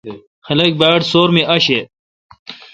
خلق باڑ سور می اشہ۔